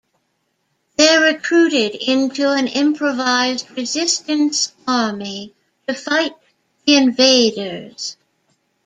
They are recruited into an improvised resistance army to fight the invaders.